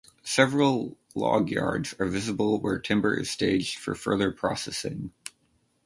Several log-yards are visible where timber is staged for further processing.